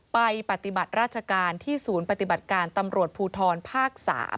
ปฏิบัติราชการที่ศูนย์ปฏิบัติการตำรวจภูทรภาค๓